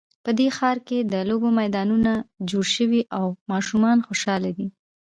په دې ښار کې د لوبو میدانونه جوړ شوي او ماشومان خوشحاله دي